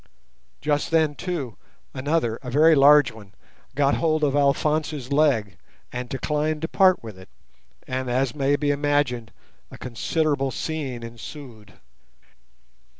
Just then, too, another, a very large one, got hold of Alphonse's leg, and declined to part with it, and, as may be imagined, a considerable scene ensued.